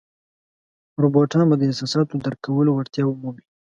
روباټان به د احساساتو درک کولو وړتیا ومومي.